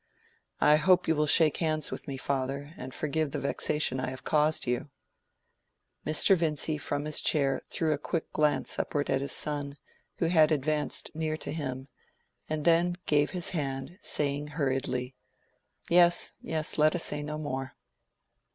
"I hope you will shake hands with me, father, and forgive me the vexation I have caused you." Mr. Vincy from his chair threw a quick glance upward at his son, who had advanced near to him, and then gave his hand, saying hurriedly, "Yes, yes, let us say no more."